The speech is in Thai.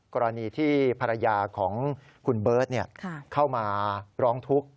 กรณีที่ภรรยาของคุณเบิร์ตเข้ามาร้องทุกข์